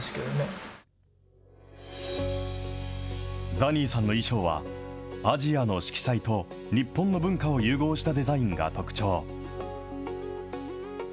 ザニーさんの衣装は、アジアの色彩と、日本の文化を融合したデザインが特徴。